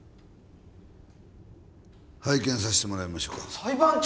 拝見させてもらいましょうか裁判長！